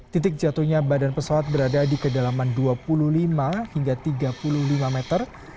titik jatuhnya badan pesawat berada di kedalaman dua puluh lima hingga tiga puluh lima meter